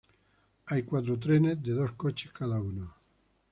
Hay cuatro trenes de dos coches cada uno.